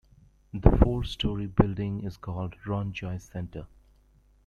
The four-story, building is called the Ron Joyce Centre.